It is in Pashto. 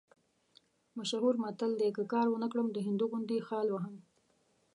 مشهور متل دی: که کار ونه کړم، د هندو غوندې خال وهم.